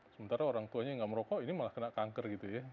sementara orang tuanya yang nggak merokok ini malah kena kanker gitu ya